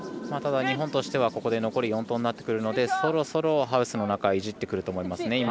日本としてはここで残り４投となってくるのでそろそろハウスの中いじってくると思いますね。